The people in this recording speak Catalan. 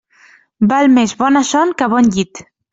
Val més bona son que bon llit.